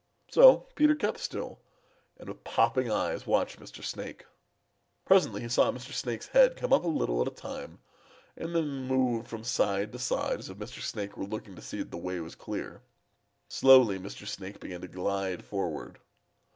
So Peter kept still and with popping eyes watched Mr. Snake. Presently he saw Mr. Snake's head come up a little at a time and then move from side to side as if Mr. Snake were looking to see that the way was clear. Slowly Mr. Snake began to glide forward.